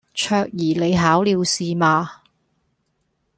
卓怡你考了試嗎